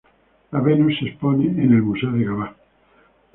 La Venus se expone en el Museo de Gavá.